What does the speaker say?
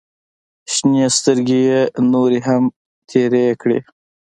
شنې سترګې يې نورې هم تېرې کړې.